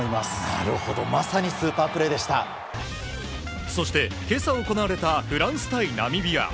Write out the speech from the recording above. なるほど、まさにスーパープそして、けさ行われたフランス対ナミビア。